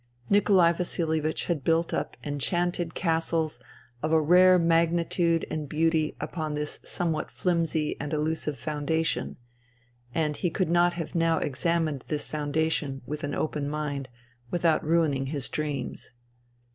Nikolai Vasilievich had built up enchanted castles of a rare magnitude and beauty upon this somewhat flimsy and elusive foundation ; and he could not have now examined this foundation with an open mind without ruining his dreams.